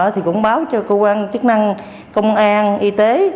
thì cũng báo cho cơ quan chức năng công an y tế